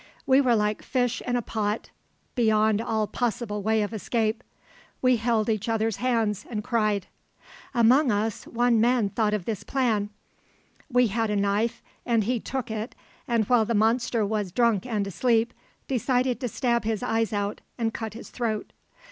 We were like fish in a pot beyond all possible way of escape. We held each other's hands, and cried. "Among us, one man thought of this plan: We had a knife and he took it, and while the monster was drunk and asleep, decided to stab his eyes out, and cut his throat.